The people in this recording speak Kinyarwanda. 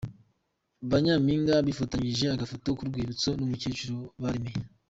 Ba Nyampinga bifotozanyije agafoto k'urwibutso n'umukecuru baremeye.